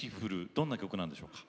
どんな曲なんでしょうか。